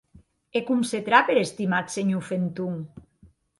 E com se trape er estimat senhor Fenton?